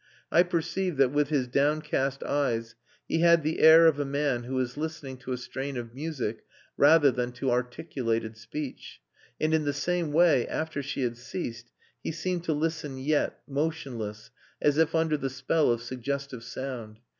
I perceived that with his downcast eyes he had the air of a man who is listening to a strain of music rather than to articulated speech. And in the same way, after she had ceased, he seemed to listen yet, motionless, as if under the spell of suggestive sound.